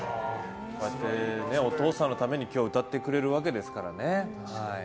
こうやってお父さんのために歌ってくれるわけですからね。